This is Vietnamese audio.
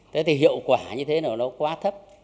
thế thì hiệu quả như thế nào nó quá thấp